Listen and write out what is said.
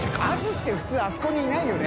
▲犬辰読當あそこにいないよね？